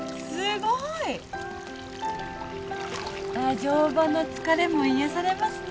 乗馬の疲れも癒やされますね。